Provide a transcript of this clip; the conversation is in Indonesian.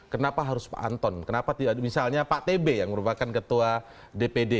kenapa harus pak anton kenapa misalnya pak tb yang merupakan ketua dpd